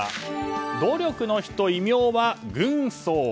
努力の人、異名は軍曹。